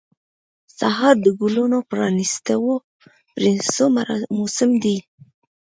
سهار د ګلانو د پرانیستو موسم دی.